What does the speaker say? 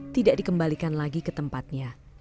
tidak dikembalikan lagi ke tempatnya